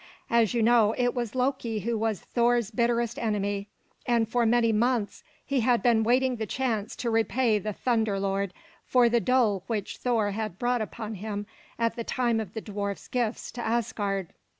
As you know, it was Loki who was Thor's bitterest enemy; and for many months he had been awaiting the chance to repay the Thunder Lord for the dole which Thor had brought upon him at the time of the dwarf's gifts to Asgard.